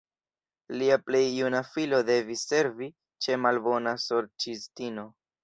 Lia plej juna filo devis servi ĉe malbona sorĉistino.